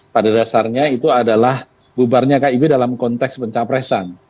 pada dasarnya itu adalah bubarnya kib dalam konteks pencapresan